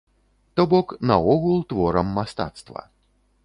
То-бок, наогул творам мастацтва.